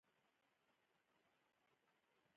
چې بهلول راغی.